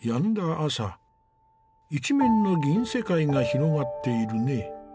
朝一面の銀世界が広がっているね。